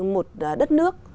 một đất nước